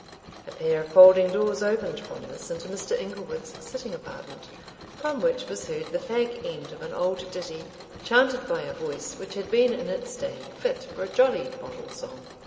A pair of folding doors opened from this into Mr. Inglewood's sitting apartment, from which was heard the fag end of an old ditty, chanted by a voice which had been in its day fit for a jolly bottle song.